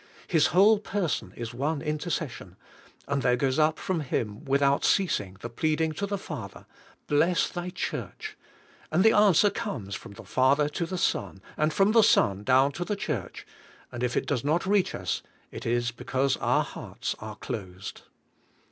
His whole person is one intercession, and there goes up from Him without ceasing the plead ing to the Father, "Bless thy church," and the answer comes from the Father to the Son, and from the Son down to the church, and if it does not reach us, it is because our hearts are closed.